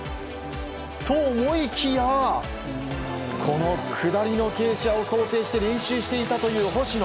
と、思いきやこの下りの傾斜を想定して練習していたという星野。